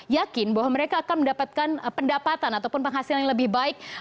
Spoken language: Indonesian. yakin bahwa mereka akan mendapatkan pendapatan ataupun penghasilan yang lebih baik